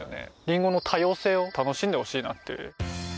りんごの多様性を楽しんでほしいなって。